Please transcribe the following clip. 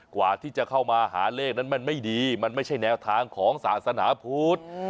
กว่าที่จะเข้ามาหาเลขนั้นมันไม่ดีมันไม่ใช่แนวทางของศาสนาพุทธ